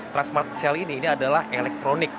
transmart sale ini adalah elektronik